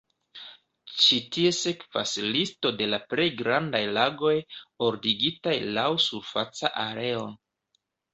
Ĉi tie sekvas listo de la plej grandaj lagoj, ordigitaj laŭ surfaca areo.